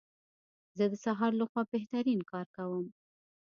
زه د سهار لخوا بهترین کار کوم.